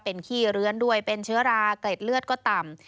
เป็นขี้เลื้อนด้วยเป็นเชื้อราเกร็ดเลือดก็ต่ำ